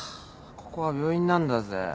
ここは病院なんだぜ。